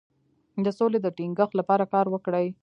د سولې د ټینګښت لپاره کار وکړئ.